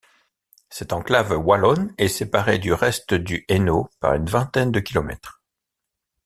Cette enclave wallonne est séparée du reste du Hainaut par une vingtaine de kilomètres.